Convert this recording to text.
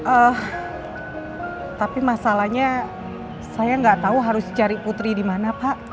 eh tapi masalahnya saya nggak tahu harus cari putri di mana pak